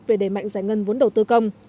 về đề mạnh giải ngân vốn đầu tư công